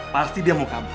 pasti dia mau kabur